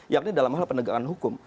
yakni dalam hal penegakan hukum